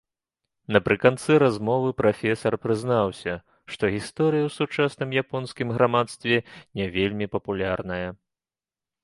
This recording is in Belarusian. Напрыканцы размовы прафесар прызнаўся, што гісторыя ў сучасным японскім грамадстве не вельмі папулярная.